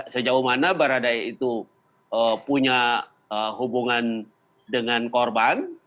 sejauh mana barada e itu punya hubungan dengan korban